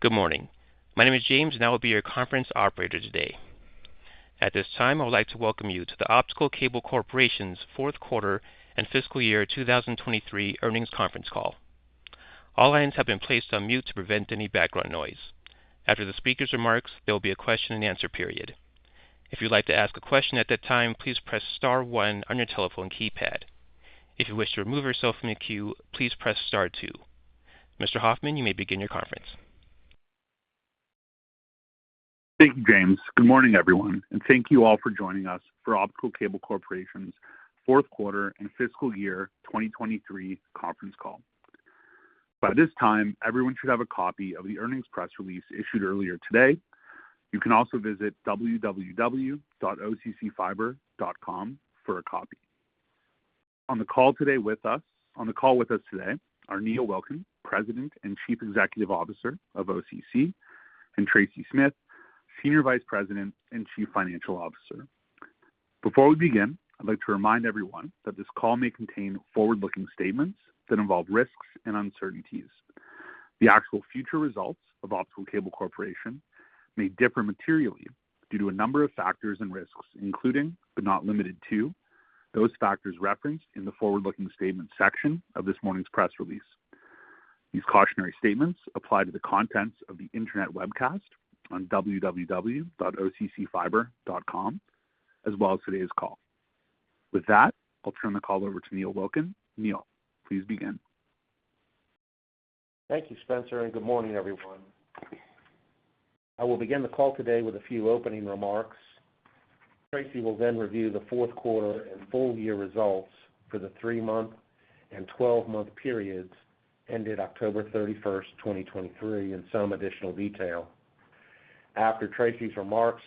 Good morning. My name is James, and I will be your conference operator today. At this time, I would like to welcome you to the Optical Cable Corporation's fourth quarter and fiscal year 2023 earnings conference call. All lines have been placed on mute to prevent any background noise. After the speaker's remarks, there will be a question-and-answer period. If you'd like to ask a question at that time, please press star one on your telephone keypad. If you wish to remove yourself from the queue, please press star two. Mr. Hoffman, you may begin your conference. Thank you, James. Good morning, everyone, and thank you all for joining us for Optical Cable Corporation's fourth quarter and fiscal year 2023 conference call. By this time, everyone should have a copy of the earnings press release issued earlier today. You can also visit www.occfiber.com for a copy. On the call today with us are Neil Wilkin, President and Chief Executive Officer of OCC, and Tracy Smith, Senior Vice President and Chief Financial Officer. Before we begin, I'd like to remind everyone that this call may contain forward-looking statements that involve risks and uncertainties. The actual future results of Optical Cable Corporation may differ materially due to a number of factors and risks, including, but not limited to, those factors referenced in the forward-looking statements section of this morning's press release. These cautionary statements apply to the contents of the Internet webcast on www.occfiber.com, as well as today's call. With that, I'll turn the call over to Neil Wilkin. Neil, please begin. Thank you, Spencer, and good morning, everyone. I will begin the call today with a few opening remarks. Tracy will then review the fourth quarter and full year results for the 3-month and 12-month periods ended October 31, 2023, in some additional detail. After Tracy's remarks,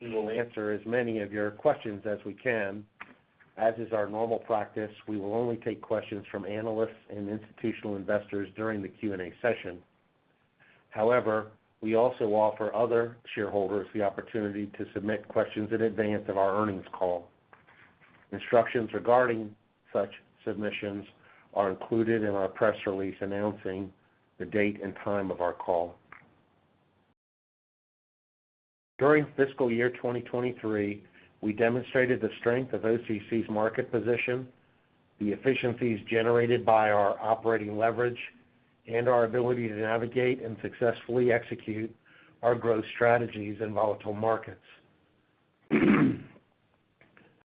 we will answer as many of your questions as we can. As is our normal practice, we will only take questions from analysts and institutional investors during the Q&A session. However, we also offer other shareholders the opportunity to submit questions in advance of our earnings call. Instructions regarding such submissions are included in our press release announcing the date and time of our call. During fiscal year 2023, we demonstrated the strength of OCC's market position, the efficiencies generated by our operating leverage, and our ability to navigate and successfully execute our growth strategies in volatile markets.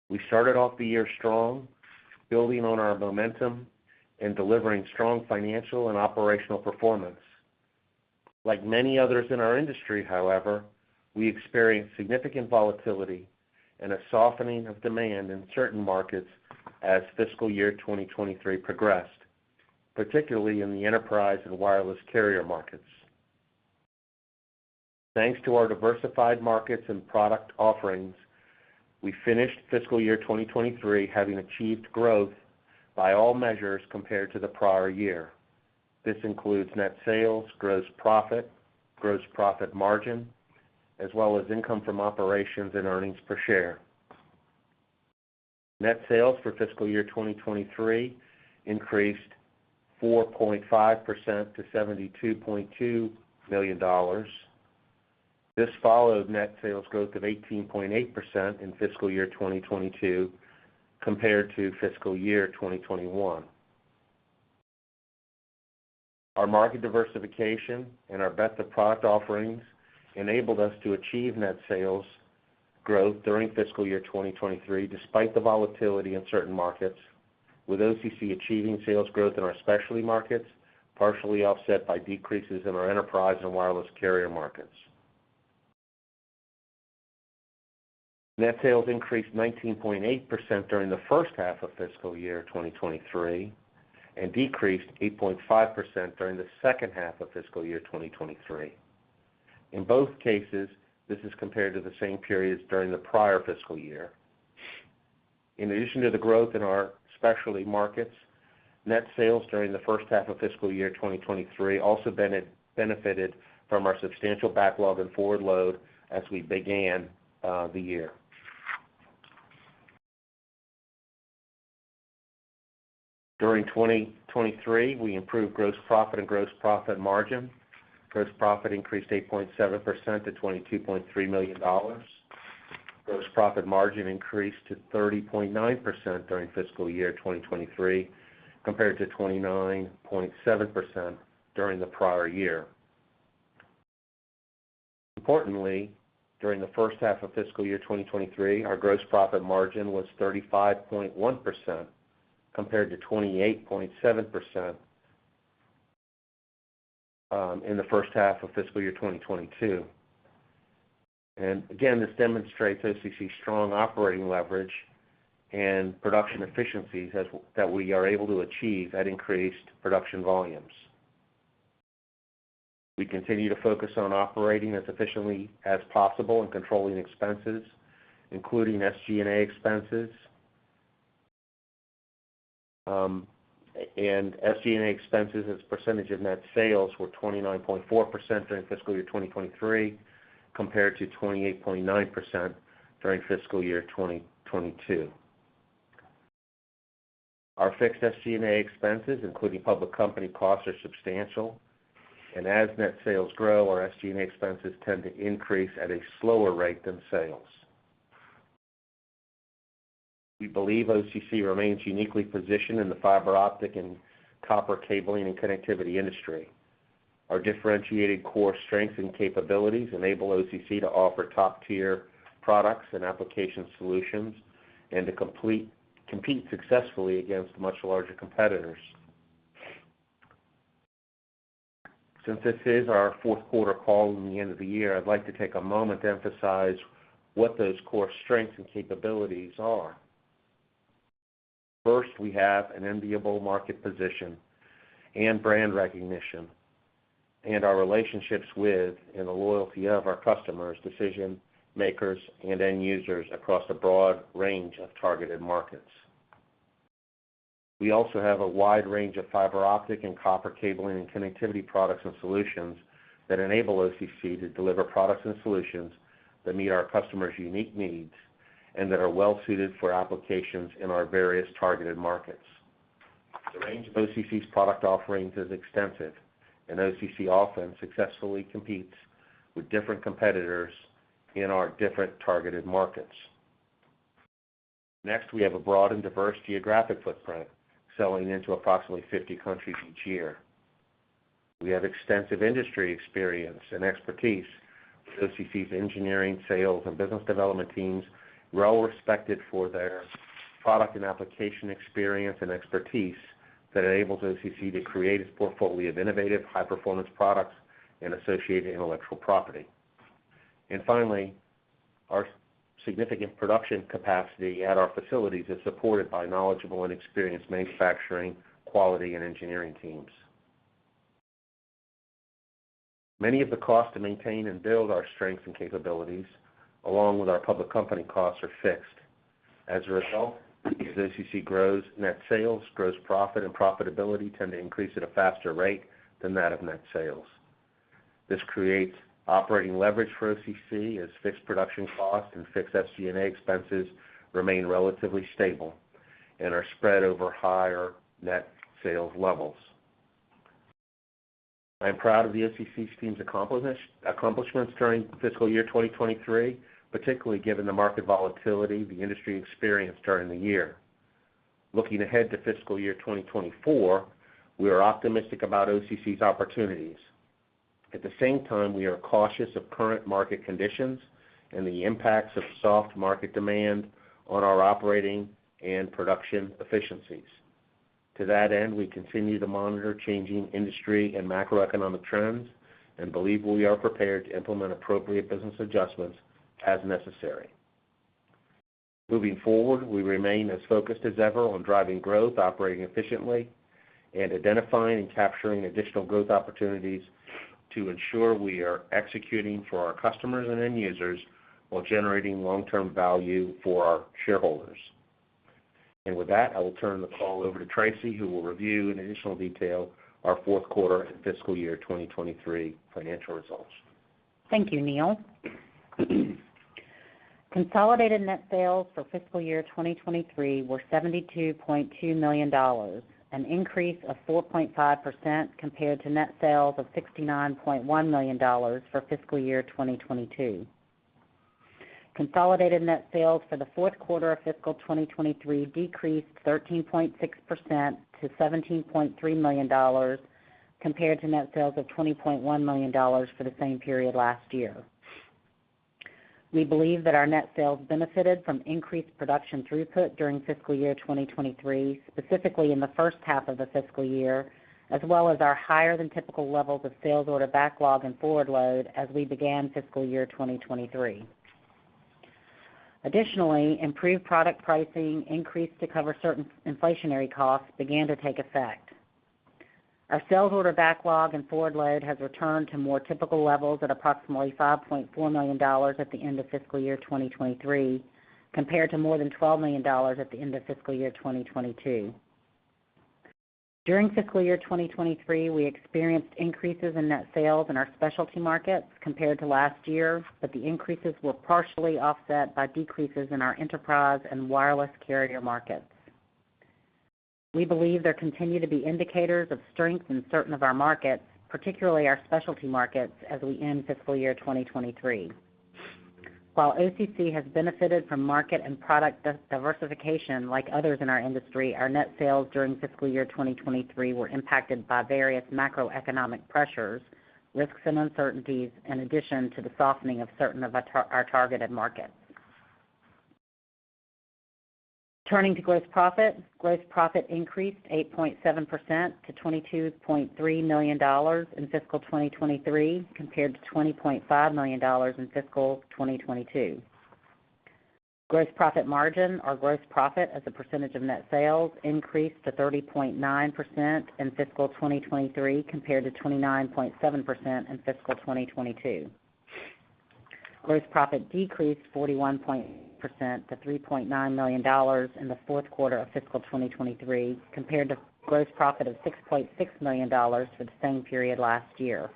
We started off the year strong, building on our momentum and delivering strong financial and operational performance. Like many others in our industry, however, we experienced significant volatility and a softening of demand in certain markets as fiscal year 2023 progressed, particularly in the enterprise and wireless carrier markets. Thanks to our diversified markets and product offerings, we finished fiscal year 2023, having achieved growth by all measures compared to the prior year. This includes net sales, gross profit, gross profit margin, as well as income from operations and earnings per share. Net sales for fiscal year 2023 increased 4.5% to $72.2 million. This followed net sales growth of 18.8% in fiscal year 2022 compared to fiscal year 2021. Our market diversification and our breadth of product offerings enabled us to achieve net sales growth during fiscal year 2023, despite the volatility in certain markets, with OCC achieving sales growth in our specialty markets, partially offset by decreases in our enterprise and wireless carrier markets. Net sales increased 19.8% during the first half of fiscal year 2023, and decreased 8.5% during the second half of fiscal year 2023. In both cases, this is compared to the same periods during the prior fiscal year. In addition to the growth in our specialty markets, net sales during the first half of fiscal year 2023 also benefited from our substantial backlog and forward load as we began the year. During 2023, we improved gross profit and gross profit margin. Gross profit increased 8.7% to $22.3 million. Gross profit margin increased to 30.9% during fiscal year 2023, compared to 29.7% during the prior year. Importantly, during the first half of fiscal year 2023, our gross profit margin was 35.1%, compared to 28.7% in the first half of fiscal year 2022. And again, this demonstrates OCC's strong operating leverage and production efficiencies that we are able to achieve at increased production volumes. We continue to focus on operating as efficiently as possible and controlling expenses, including SG&A expenses. And SG&A expenses as a percentage of net sales were 29.4% during fiscal year 2023, compared to 28.9% during fiscal year 2022. Our fixed SG&A expenses, including public company costs, are substantial, and as net sales grow, our SG&A expenses tend to increase at a slower rate than sales. We believe OCC remains uniquely positioned in the fiber optic and copper cabling and connectivity industry. Our differentiated core strengths and capabilities enable OCC to offer top-tier products and application solutions and to compete successfully against much larger competitors. Since this is our fourth quarter call and the end of the year, I'd like to take a moment to emphasize what those core strengths and capabilities are. First, we have an enviable market position and brand recognition, and our relationships with, and the loyalty of our customers, decision makers, and end users across a broad range of targeted markets. We also have a wide range of fiber optic and copper cabling and connectivity products and solutions that enable OCC to deliver products and solutions that meet our customers' unique needs and that are well suited for applications in our various targeted markets. The range of OCC's product offerings is extensive, and OCC often successfully competes with different competitors in our different targeted markets. Next, we have a broad and diverse geographic footprint, selling into approximately 50 countries each year. We have extensive industry experience and expertise, with OCC's engineering, sales, and business development teams well respected for their product and application experience and expertise that enables OCC to create its portfolio of innovative, high-performance products and associated intellectual property. Finally, our significant production capacity at our facilities is supported by knowledgeable and experienced manufacturing, quality, and engineering teams. Many of the costs to maintain and build our strengths and capabilities, along with our public company costs, are fixed. As a result, as OCC grows, net sales, gross profit, and profitability tend to increase at a faster rate than that of net sales. This creates operating leverage for OCC, as fixed production costs and fixed SG&A expenses remain relatively stable and are spread over higher net sales levels. I am proud of the OCC team's accomplishments during fiscal year 2023, particularly given the market volatility the industry experienced during the year. Looking ahead to fiscal year 2024, we are optimistic about OCC's opportunities. At the same time, we are cautious of current market conditions and the impacts of soft market demand on our operating and production efficiencies. To that end, we continue to monitor changing industry and macroeconomic trends and believe we are prepared to implement appropriate business adjustments as necessary. Moving forward, we remain as focused as ever on driving growth, operating efficiently, and identifying and capturing additional growth opportunities to ensure we are executing for our customers and end users, while generating long-term value for our shareholders. With that, I will turn the call over to Tracy, who will review in additional detail our fourth quarter and fiscal year 2023 financial results. Thank you, Neil. Consolidated net sales for fiscal year 2023 were $72.2 million, an increase of 4.5% compared to net sales of $69.1 million for fiscal year 2022. Consolidated net sales for the fourth quarter of fiscal 2023 decreased 13.6% to $17.3 million, compared to net sales of $20.1 million for the same period last year. We believe that our net sales benefited from increased production throughput during fiscal year 2023, specifically in the first half of the fiscal year, as well as our higher-than-typical levels of sales order backlog and forward load as we began fiscal year 2023. Additionally, improved product pricing increased to cover certain inflationary costs began to take effect. Our sales order backlog and forward load has returned to more typical levels at approximately $5.4 million at the end of fiscal year 2023, compared to more than $12 million at the end of fiscal year 2022. During fiscal year 2023, we experienced increases in net sales in our specialty markets compared to last year, but the increases were partially offset by decreases in our enterprise and wireless carrier markets. We believe there continue to be indicators of strength in certain of our markets, particularly our specialty markets, as we end fiscal year 2023. While OCC has benefited from market and product diversification like others in our industry, our net sales during fiscal year 2023 were impacted by various macroeconomic pressures, risks, and uncertainties, in addition to the softening of certain of our targeted markets. Turning to gross profit. Gross profit increased 8.7% to $22.3 million in fiscal 2023, compared to $20.5 million in fiscal 2022. Gross profit margin, or gross profit as a percentage of net sales, increased to 30.9% in fiscal 2023, compared to 29.7% in fiscal 2022. Gross profit decreased 41% to $3.9 million in the fourth quarter of fiscal 2023, compared to gross profit of $6.6 million for the same period last year....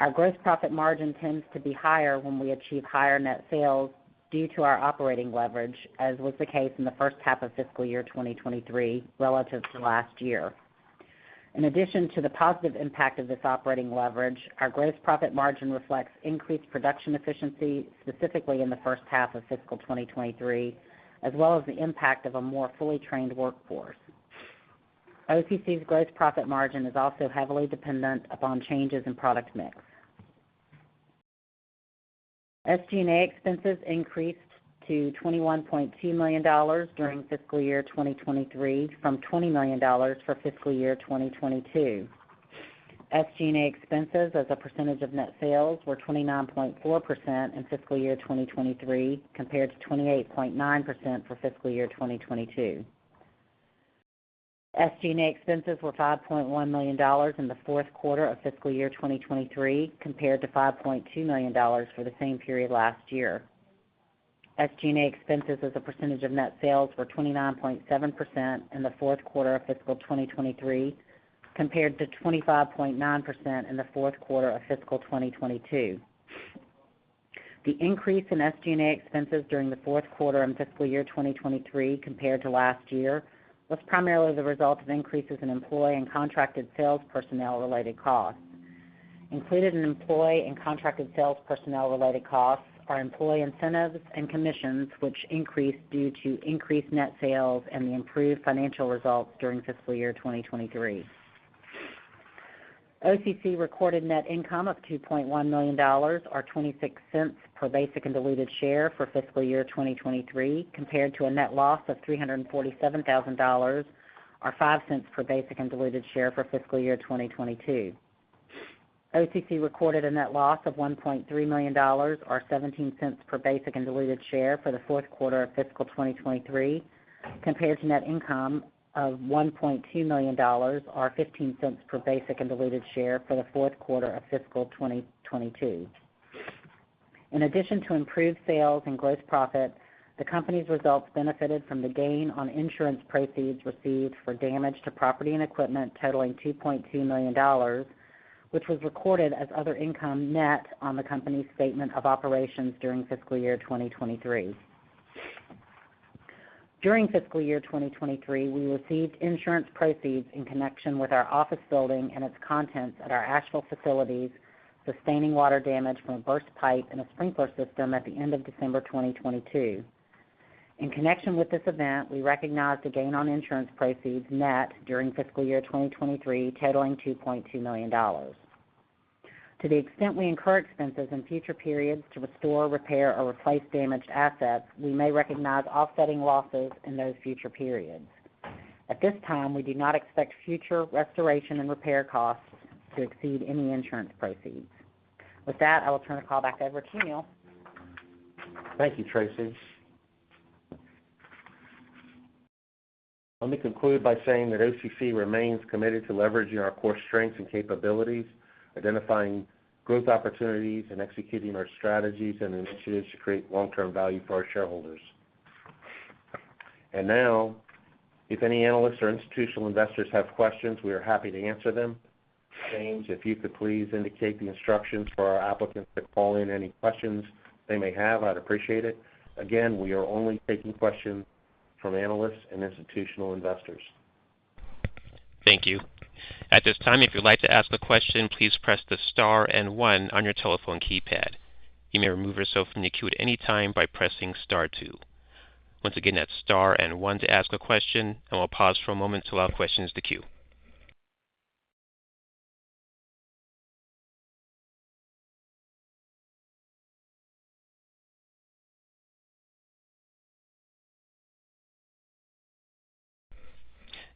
Our gross profit margin tends to be higher when we achieve higher net sales due to our operating leverage, as was the case in the first half of fiscal year 2023 relative to last year. In addition to the positive impact of this operating leverage, our gross profit margin reflects increased production efficiency, specifically in the first half of fiscal 2023, as well as the impact of a more fully trained workforce. OCC's gross profit margin is also heavily dependent upon changes in product mix. SG&A expenses increased to $21.2 million during fiscal year 2023 from $20 million for fiscal year 2022. SG&A expenses as a percentage of net sales were 29.4% in fiscal year 2023, compared to 28.9% for fiscal year 2022. SG&A expenses were $5.1 million in the fourth quarter of fiscal year 2023, compared to $5.2 million for the same period last year. SG&A expenses as a percentage of net sales were 29.7% in the fourth quarter of fiscal 2023, compared to 25.9% in the fourth quarter of fiscal 2022. The increase in SG&A expenses during the fourth quarter and fiscal year 2023 compared to last year was primarily the result of increases in employee and contracted sales personnel related costs. Included in employee and contracted sales personnel related costs are employee incentives and commissions, which increased due to increased net sales and the improved financial results during fiscal year 2023. OCC recorded net income of $2.1 million, or $0.26 per basic and diluted share for fiscal year 2023, compared to a net loss of $347,000, or $0.05 per basic and diluted share for fiscal year 2022. OCC recorded a net loss of $1.3 million or $0.17 per basic and diluted share for the fourth quarter of fiscal 2023, compared to net income of $1.2 million or $0.15 per basic and diluted share for the fourth quarter of fiscal 2022. In addition to improved sales and gross profit, the company's results benefited from the gain on insurance proceeds received for damage to property and equipment totalling $2.2 million, which was recorded as other income net on the company's statement of operations during fiscal year 2023. During fiscal year 2023, we received insurance proceeds in connection with our office building and its contents at our Asheville facilities, sustaining water damage from a burst pipe in a sprinkler system at the end of December 2022. In connection with this event, we recognized a gain on insurance proceeds net during fiscal year 2023, totalling $2.2 million. To the extent we incur expenses in future periods to restore, repair, or replace damaged assets, we may recognize offsetting losses in those future periods. At this time, we do not expect future restoration and repair costs to exceed any insurance proceeds. With that, I will turn the call back over to Neil. Thank you, Tracy. Let me conclude by saying that OCC remains committed to leveraging our core strengths and capabilities, identifying growth opportunities, and executing our strategies and initiatives to create long-term value for our shareholders. And now, if any analysts or institutional investors have questions, we are happy to answer them. James, if you could please indicate the instructions for our participants to call in any questions they may have, I'd appreciate it. Again, we are only taking questions from analysts and institutional investors. Thank you. At this time, if you'd like to ask a question, please press the star and one on your telephone keypad. You may remove yourself from the queue at any time by pressing star two. Once again, that's star and one to ask a question, and we'll pause for a moment to allow questions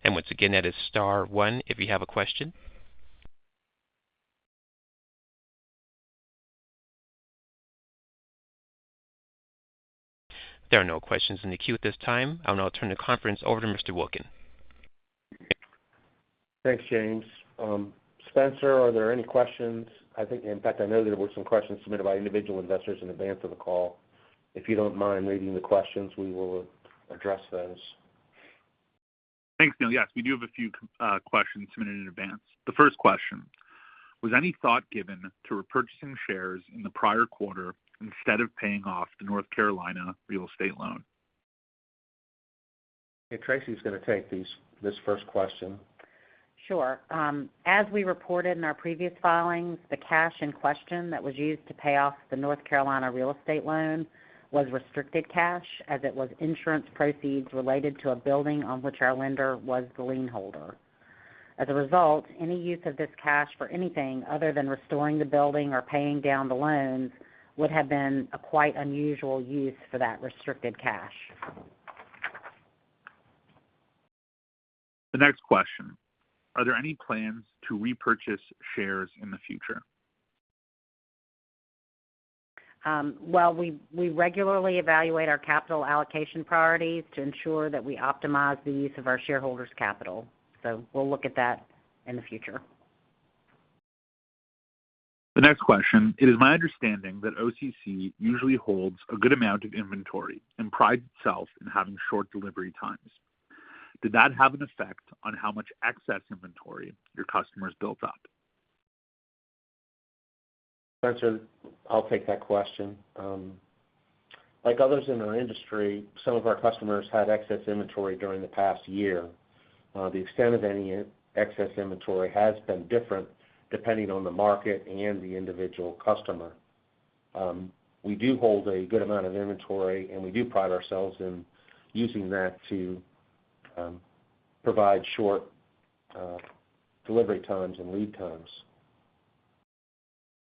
to queue. Once again, that is star one if you have a question. There are no questions in the queue at this time. I'll now turn the conference over to Mr. Wilkin. Thanks, James. Spencer, are there any questions? I think, in fact, I know there were some questions submitted by individual investors in advance of the call. If you don't mind reading the questions, we will address those. Thanks, Neil. Yes, we do have a few questions submitted in advance. The first question: Was any thought given to repurchasing shares in the prior quarter instead of paying off the North Carolina real estate loan? Hey, Tracy is going to take this first question. Sure. As we reported in our previous filings, the cash in question that was used to pay off the North Carolina real estate loan was restricted cash, as it was insurance proceeds related to a building on which our lender was the lienholder. As a result, any use of this cash for anything other than restoring the building or paying down the loans would have been a quite unusual use for that restricted cash. The next question: Are there any plans to repurchase shares in the future? Well, we regularly evaluate our capital allocation priorities to ensure that we optimize the use of our shareholders' capital. So we'll look at that in the future. The next question: It is my understanding that OCC usually holds a good amount of inventory and prides itself in having short delivery times.... Did that have an effect on how much excess inventory your customers built up? Spencer, I'll take that question. Like others in our industry, some of our customers had excess inventory during the past year. The extent of any excess inventory has been different depending on the market and the individual customer. We do hold a good amount of inventory, and we do pride ourselves in using that to provide short delivery times and lead times.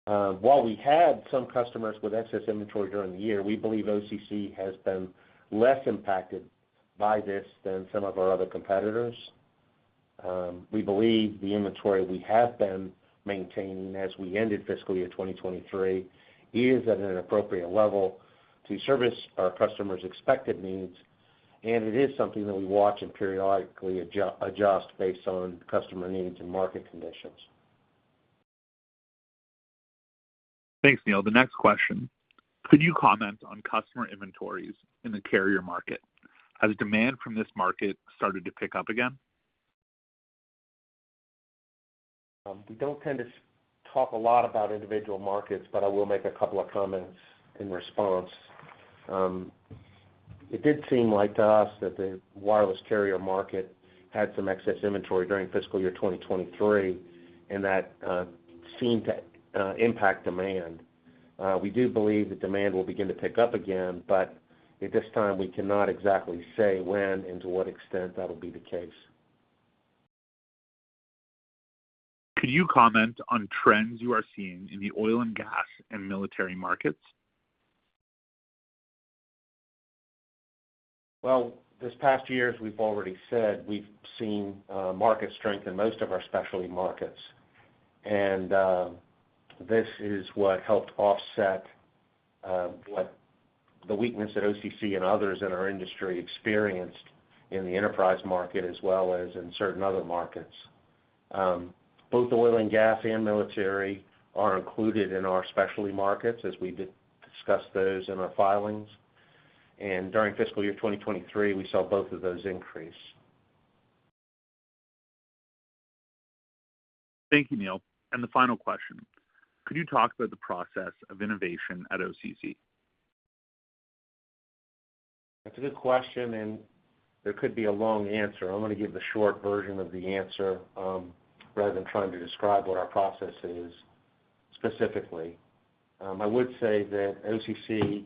While we had some customers with excess inventory during the year, we believe OCC has been less impacted by this than some of our other competitors. We believe the inventory we have been maintaining as we ended fiscal year 2023 is at an appropriate level to service our customers' expected needs, and it is something that we watch and periodically adjust based on customer needs and market conditions. Thanks, Neil. The next question: Could you comment on customer inventories in the carrier market? Has demand from this market started to pick up again? We don't tend to talk a lot about individual markets, but I will make a couple of comments in response. It did seem like to us that the Wireless Carrier Market had some excess inventory during fiscal year 2023, and that seemed to impact demand. We do believe that demand will begin to pick up again, but at this time, we cannot exactly say when and to what extent that'll be the case. Could you comment on trends you are seeing in the oil and gas and military markets? Well, this past year, as we've already said, we've seen market strength in most of our Specialty Markets. And this is what helped offset what the weakness that OCC and others in our industry experienced in the Enterprise Market, as well as in certain other markets. Both oil and gas and military are included in our Specialty Markets, as we did discuss those in our filings. And during fiscal year 2023, we saw both of those increase. Thank you, Neil. The final question: Could you talk about the process of innovation at OCC? That's a good question, and there could be a long answer. I'm going to give the short version of the answer, rather than trying to describe what our process is specifically. I would say that OCC,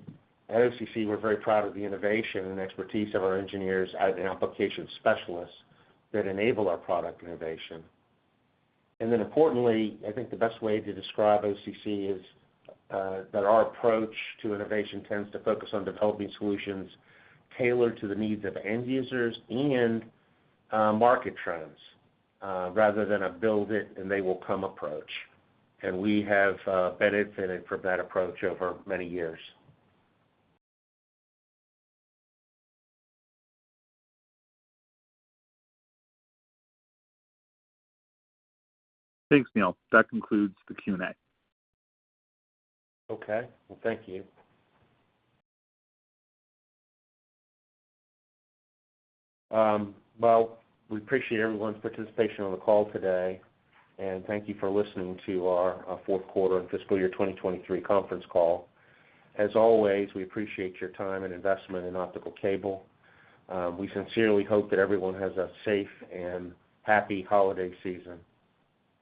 at OCC, we're very proud of the innovation and expertise of our engineers and application specialists that enable our product innovation. And then importantly, I think the best way to describe OCC is that our approach to innovation tends to focus on developing solutions tailored to the needs of end users and market trends, rather than a build it and they will come approach. And we have benefited from that approach over many years. Thanks, Neil. That concludes the Q&A. Okay. Well, thank you. Well, we appreciate everyone's participation on the call today, and thank you for listening to our fourth quarter and fiscal year 2023 conference call. As always, we appreciate your time and investment in Optical Cable. We sincerely hope that everyone has a safe and happy holiday season,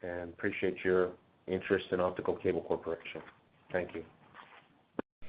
and appreciate your interest in Optical Cable Corporation. Thank you.